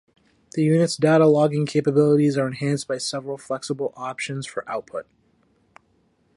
The unit's data logging capabilities are enhanced by several flexible options for output.